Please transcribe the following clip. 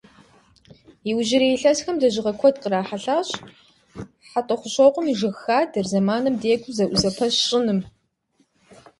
Иужьрей илъэсхэм лэжьыгъэ куэд кърахьэлӏащ Хьэтӏохъущокъуэм и жыг хадэр зэманым декӏуу зэӏузэпэщ щӏыным.